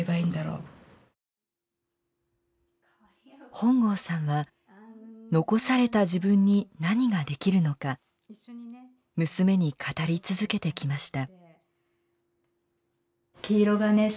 本郷さんは残された自分に何ができるのか娘に語り続けてきました。